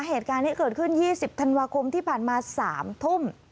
เหตุการณ์นี้เกิดขึ้น๒๐ธันวาคมที่ผ่านมา๓ทุ่ม